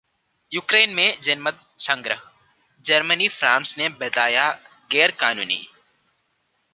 Ukraine में जनमत संग्रह, जर्मनी-फ्रांस ने बताया गैर-कानूनी